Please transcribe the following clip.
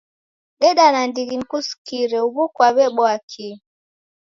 Deda nandighi nikusikire uw'u kwaweboa kii?